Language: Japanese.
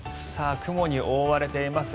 雲に覆われています。